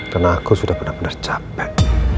karena aku sudah benar benar capek